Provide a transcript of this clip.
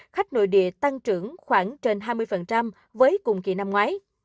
khách nội địa tăng trưởng khoảng trên hai mươi với cùng kỳ năm ngoái